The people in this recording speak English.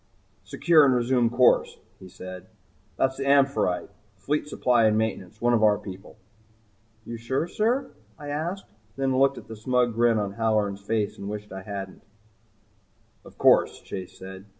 "Secure and resume course," he said. "That's the 'Amphitrite' fleet supply and maintenance. One of our people." "You sure, sir?" I asked, and then looked at the smug grin on Halloran's face and wished I hadn't asked. "Of course," Chase said.